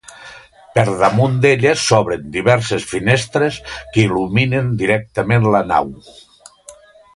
Per damunt d'elles s'obren diverses finestres que il·luminen directament la nau.